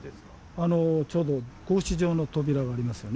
あのちょうど格子状の扉がありますよね。